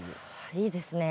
いいですね。